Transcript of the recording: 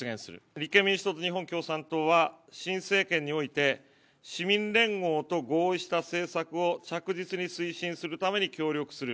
立憲民主党と日本共産党は、新政権において、市民連合と合意した政策を着実に推進するために協力する。